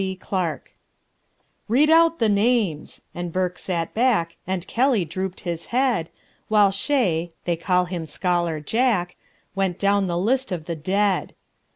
C. CLARKE "Read out the names!" and Burke sat back, And Kelly drooped his head, While Shea they call him Scholar Jack Went down the list of the dead.